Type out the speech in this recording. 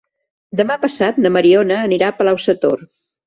Demà passat na Mariona anirà a Palau-sator.